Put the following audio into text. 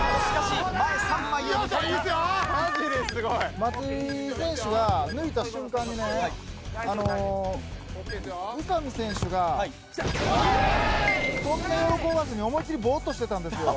松井選手が抜いた瞬間に宇佐美選手が、そんな喜ばずに、ぼーっとしてたんですよ。